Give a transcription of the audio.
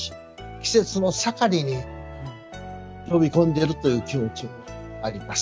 季節の盛りに飛び込んでるという気持ちもあります。